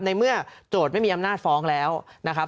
ในเมื่อโจทย์ไม่มีอำนาจฟ้องแล้วนะครับ